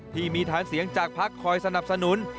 ที่มีฐานเสียงจากพักคอยสนับสนุน